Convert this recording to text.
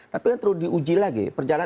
tapi yang terlalu diuji lagi